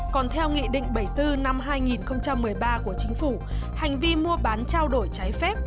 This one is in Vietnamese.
còn theo nghị định bảy mươi bốn năm hai nghìn một mươi ba của chính phủ hành vi mua bán trao đổi trái phép